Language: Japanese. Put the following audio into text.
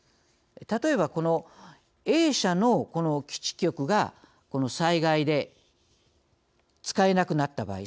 例えばこのＡ社の基地局が災害で使えなくなった場合。